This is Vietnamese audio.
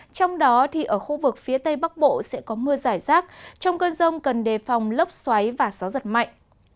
trong đó thì ở khu vực phía tây bắc bộ sẽ có mưa giải rác trong cơn rông cần đề phòng lốc xoáy và gió giật mạnh